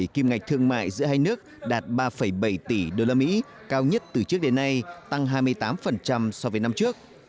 kim ngạch thương mại giữa hai nước đạt ba bảy tỷ usd cao nhất từ trước đến nay tăng hai mươi tám so với năm trước